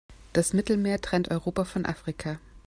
Das Mittelmeer trennt Europa von Afrika.